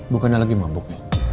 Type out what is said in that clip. bukannya lagi mabuk